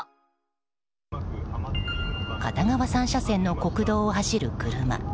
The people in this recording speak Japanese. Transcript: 片側３車線の国道を走る車。